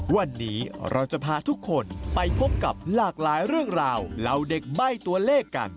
วันนี้เราจะพาทุกคนไปพบกับหลากหลายเรื่องราวเหล่าเด็กใบ้ตัวเลขกัน